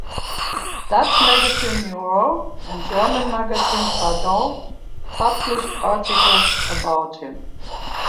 Dutch magazine "Miroir" and German magazine "Pardon" published articles about him.